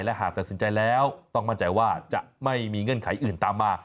และหากตัดสินใจแล้วต้องมั่นใจว่าจะไม่มีเงื่อนไขอื่นตามมา